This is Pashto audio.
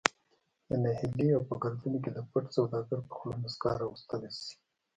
د نهیلي او په گردونو کی د پټ سوداگر په خوله مسکا راوستلې شي